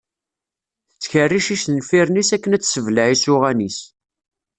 Tettkerric icenfiren-is akken ad tesseblaɛ isuɣan-is.